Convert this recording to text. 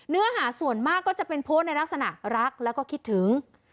เนื้อหาส่วนมากก็จะเป็นโพสต์ในลักษณะรักแล้วก็คิดถึง